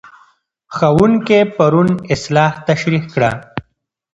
ښوونکی پرون اصلاح تشریح کړه.